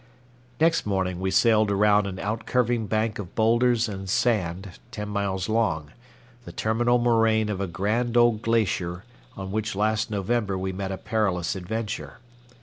Next morning we sailed around an outcurving bank of boulders and sand ten miles long, the terminal moraine of a grand old glacier on which last November we met a perilous adventure.